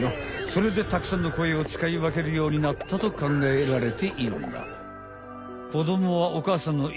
それでたくさんの声をつかいわけるようになったとかんがえられているんだ。